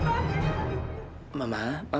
mama tidak mau ke penjara